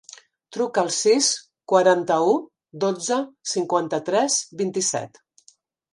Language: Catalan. Truca al sis, quaranta-u, dotze, cinquanta-tres, vint-i-set.